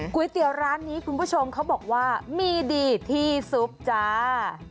ก๋วยเตี๋ยวร้านนี้คุณผู้ชมเขาบอกว่ามีดีที่ซุปจ้า